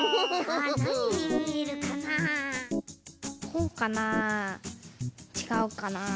こうかなあちがうかなあ。